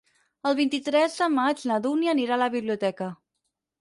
El vint-i-tres de maig na Dúnia anirà a la biblioteca.